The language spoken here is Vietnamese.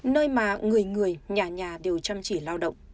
nơi mà người người nhà nhà đều chăm chỉ lao động